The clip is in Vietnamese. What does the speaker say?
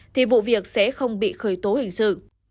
thì vụ việc sẽ không bị khởi tố hình sự